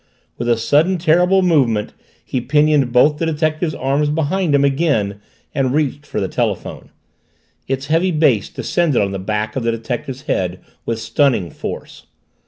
With a sudden terrible movement he pinioned both the detective's arms behind him again and reached for the telephone. Its heavy base descended on the back of the detective's head with stunning force.